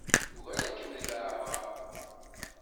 Ugareɣ-kem deg leɛmeṛ.